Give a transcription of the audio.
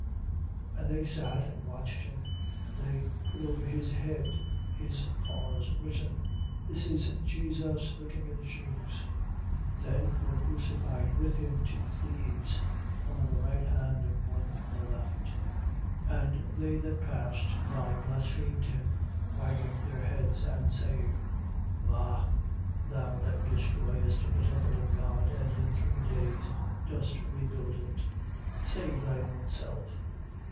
27:36. And they sat and watched him. 27:37. And they put over his head his cause written: THIS IS JESUS THE KING OF THE JEWS. 27:38. Then were crucified with him two thieves: one on the right hand and one on the left. 27:39. And they that passed by blasphemed him, wagging their heads, 27:40. And saying: Vah, thou that destroyest the temple of God and in three days dost rebuild it: save thy own self.